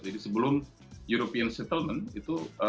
jadi sebelum european settlement itu